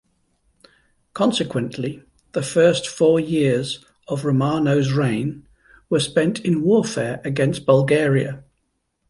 Consequently, the first four years of Romanos' reign were spent in warfare against Bulgaria.